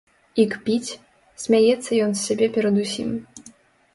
І кпіць, смяецца ён з сябе перадусім.